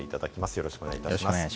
よろしくお願いします。